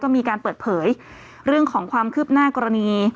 มีการเปิดเผยเรื่องของความคืบหน้ากรณี